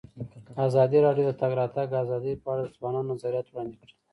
ازادي راډیو د د تګ راتګ ازادي په اړه د ځوانانو نظریات وړاندې کړي.